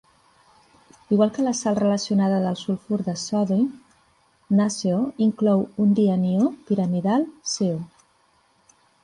Igual que la sal relacionada del sulfur de sodi, NaSeO inclou un dianiò piramidal SeO.